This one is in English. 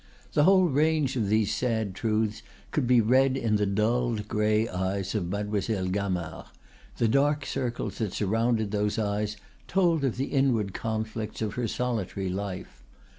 The whole range of these sad truths could be read in the dulled gray eyes of Mademoiselle Gamard; the dark circles that surrounded those eyes told of the inward conflicts of her solitary life.